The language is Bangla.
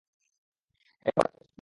এটা অনেক বড়ো একটা সুযোগ মা।